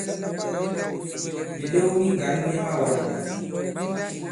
Mìlew mi ŋgǎn mi mawān.